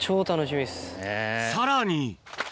さらに。